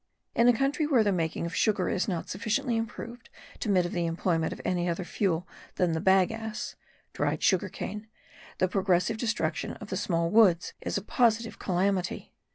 In a country where the making of sugar is not sufficiently improved to admit of the employment of any other fuel than the bagasse (dried sugar cane) the progressive destruction of the small woods is a positive calamity.